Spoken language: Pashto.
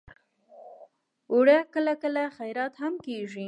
اوړه کله کله خیرات هم کېږي